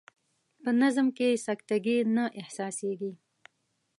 په نظم کې سکته ګي نه احساسیږي.